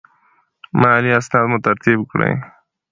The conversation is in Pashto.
مالي اسناد مو ترتیب کړئ.